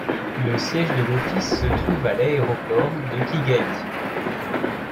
Le siège de l'office se trouve à l'aéroport de Kigali.